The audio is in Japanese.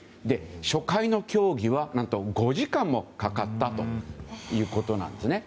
初回の協議は５時間もかかったということなんです。